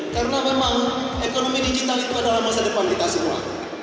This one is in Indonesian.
karena memang ekonomi digital itu adalah masa depan kita semua